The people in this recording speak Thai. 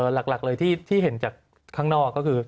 หลักเลยที่เห็นจากข้างนอกก็คือ